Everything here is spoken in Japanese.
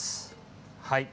はい。